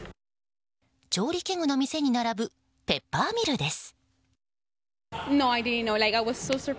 調理器具の店に並ぶペッパーミルです。